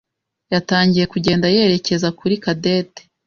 yatangiye kugenda yerekeza kuri Cadette.